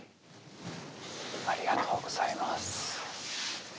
ありがとうございます。